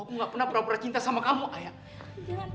aku gak pernah pura pura cinta sama kamu ayah